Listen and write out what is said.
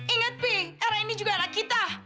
ingat pi era ini juga anak kita